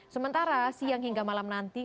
sementara siang hingga malam nanti